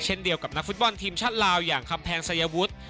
เดียวกับนักฟุตบอลทีมชาติลาวอย่างคำแพงศัยวุฒิ